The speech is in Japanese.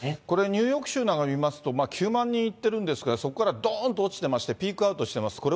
これ、ニューヨーク州なんかを見ますと、９万人いってるんですが、そこからどーんと落ちてましてピークアウトしてます。